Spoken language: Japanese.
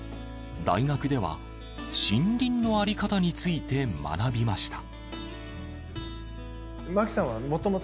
大学では、森林の在り方について学びました。